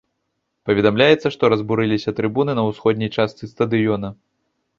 Паведамляецца, што разбурыліся трыбуны на ўсходняй частцы стадыёна.